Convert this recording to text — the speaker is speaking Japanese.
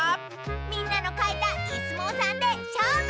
みんなのかいたイスもうさんでしょうぶ！